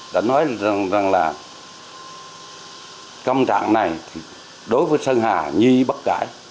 đã nói rằng là công trạng này đối với sơn hà nhi bất cãi